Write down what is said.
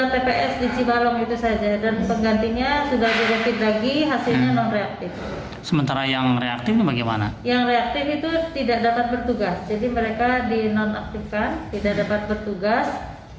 kepada penyelenggara yang reaktif kemudian diperlukan penyelenggara yang tidak dapat bertugas